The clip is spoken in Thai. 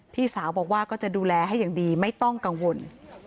พี่สาวบอกว่าก็จะดูแลให้อย่างดีไม่ต้องกังวล